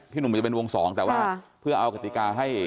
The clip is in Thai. หนุ่มมันจะเป็นวงสองแต่ว่าเพื่อเอากติกาให้